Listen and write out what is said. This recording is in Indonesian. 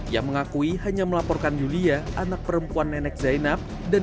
yang mengakui hanya melaporkan yulia anak perempuan nenek zainab dan